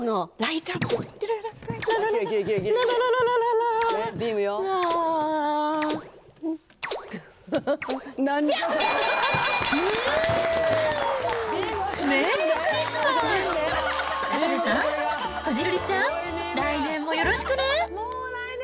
かたせさん、こじるりちゃん、来年もよろしくね。